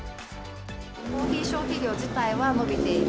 コーヒー消費量自体は伸びている。